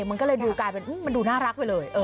มันก็เลยดูน่ารักไปเลย